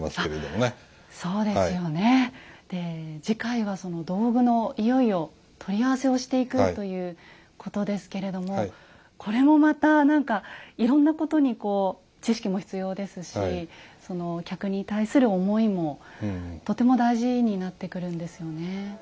次回は道具のいよいよ取り合わせをしていくということですけれどもこれもまた何かいろんなことにこう知識も必要ですし客に対する思いもとても大事になってくるんですよね。